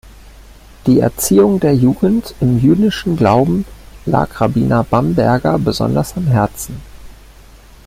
Die Erziehung der Jugend im jüdischen Glauben lag Rabbiner Bamberger besonders am Herzen.